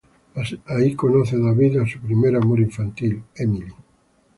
Ahí conoce David a su primer amor infantil: Emily.